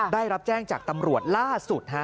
ได้รับแจ้งจากตำรวจล่าสุด